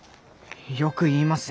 よく言いますよ。